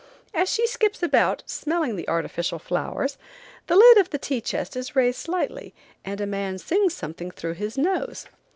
As she skips about, smelling the artificial flowers, the lid of a tea chest is raised slightly, and a man sings something through his nose.